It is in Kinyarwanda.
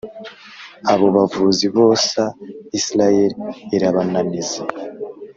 abo bavuzi bosa Isirayeli irabananiza